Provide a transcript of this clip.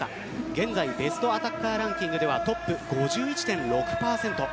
現在ベストアタッカーランキングではトップ５１．６％